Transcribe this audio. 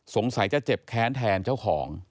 สงสัยจะเจ็บแค้นแทนเจ้าของ